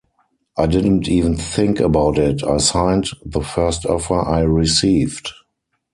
I didn't even think about it, I signed the first offer I received.